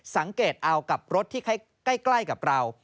สังเกตเอากับรถที่ใกล้กับเรา